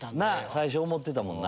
最初思ってたもんな。